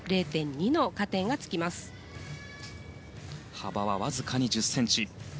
幅はわずかに１０ｃｍ。